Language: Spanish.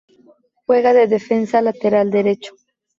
Juega de defensa lateral derecho.